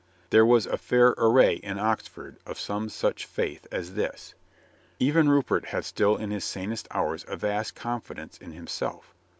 There was a fair array in Oxford of some such faith as this. Even Rupert had still in his sanest hours a vast confidence in himself.